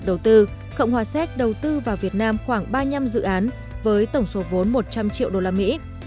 đầu tư cộng hòa séc đầu tư vào việt nam khoảng ba mươi năm dự án với tổng số vốn một trăm linh triệu usd